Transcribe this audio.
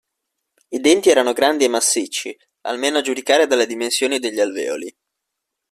I denti erano grandi e massicci, almeno a giudicare dalle dimensioni degli alveoli.